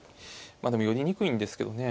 でも寄りにくいんですけどね。